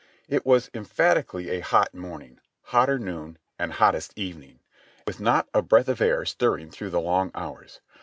It was emphatically a hot morning, hotter noon and hottest evening, with not a breath of air stirring through the long hours.